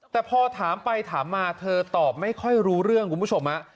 แต่พอถามไปถามมาเธอตอบไม่ค่อยรู้เรื่องคุณผู้ชม